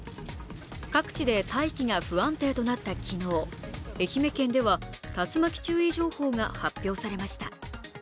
各地で大気が不安定となった昨日、愛媛県では竜巻注意情報が発表されました。